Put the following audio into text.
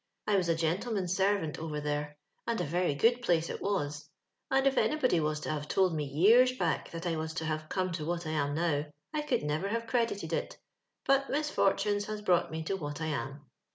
I was a gentleman's servant over there, and a very good place it was ; and if anybody was to have told me years back that I was to have come to what I am now, I could never have credited it ; but misfortunes has brought me to what I am.